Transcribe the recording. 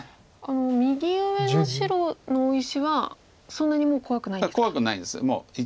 右上の白の大石はそんなにもう怖くないんですか。